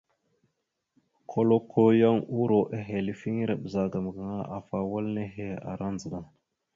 Koləko yan uro ehelefiŋere ɓəzagaam afa wal nehe ara ndzəɗa.